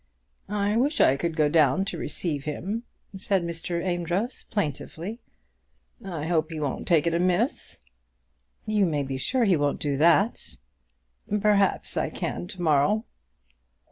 "I wish I could go down to receive him," said Mr. Amedroz, plaintively. "I hope he won't take it amiss." "You may be sure he won't do that." "Perhaps I can to morrow."